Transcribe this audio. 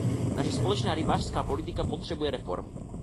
Naše společná rybářská politika potřebuje reformu.